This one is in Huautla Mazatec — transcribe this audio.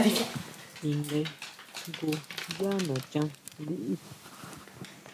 Tindae jngu yá nachan liʼí.